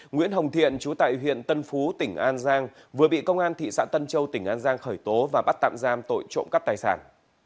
nguyễn hồng thiện chú tại huyện tân phú tỉnh an giang vừa bị công an thị xã tân châu tỉnh an giang khởi tố và bắt tạm giam tội trộm cắp tài sản